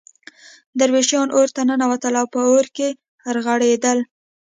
درویشان اورته ننوتل او په اور کې رغړېدل.